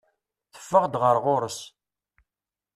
Teffeɣ-d ɣer ɣur-s.